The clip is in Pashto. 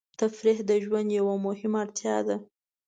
تفریح د ژوند یوه مهمه اړتیا ده.